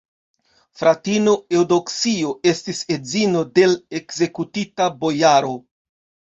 Fratino Eŭdoksio estis edzino de l' ekzekutita bojaro.